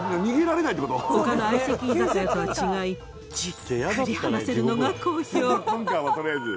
他の相席居酒屋とは違いじっくり話せるのが好評。